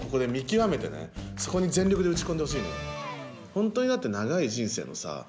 本当にだって長い人生のさ